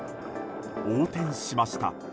横転しました。